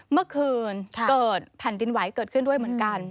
เมื่อคืนเกิดแผ่นดินไหวเกิดขึ้นด้วยเหมือนกัน